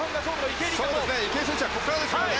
池江璃花子選手はここからですよね。